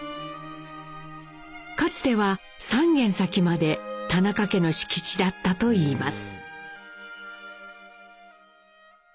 かつては３軒先まで田中家の敷地だったといいます。